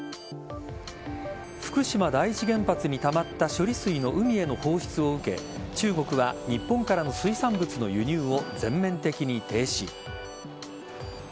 福島第一原発にたまった処理水の海への放出を受け中国は日本からの水産物の輸入を全面的に停止。